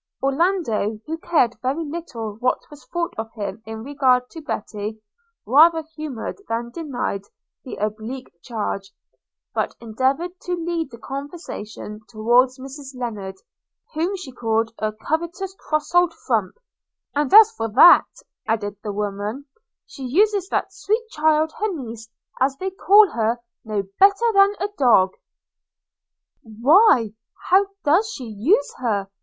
– Orlando, who cared very little what was thought of him in regard to Betty, rather humoured than denied the oblique charge; but endeavoured to lead the conversation towards Mrs Lennard, whom she called a covetous cross old frump; 'and as for that,' added the woman, 'she uses that sweet child, her niece as they call her, no better than a dog.' 'Why, how does she use her?'